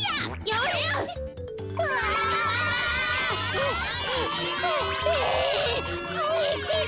ふえてる！